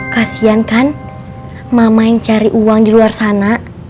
kasian kan mama yang cari uang di luar sana